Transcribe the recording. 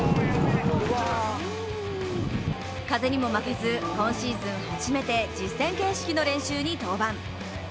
風にも負けず、今シーズン初めて実戦形式の練習に登板。